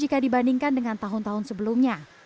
jika dibandingkan dengan tahun tahun sebelumnya